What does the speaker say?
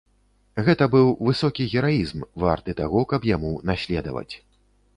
Гэта быў высокі гераізм, варты таго, каб яму наследаваць.